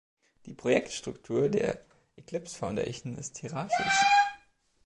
Die Projektstruktur der Eclipse Foundation ist hierarchisch.